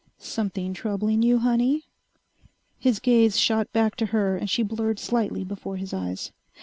"Something troubling you, honey?" His gaze shot back to her and she blurred slightly before his eyes.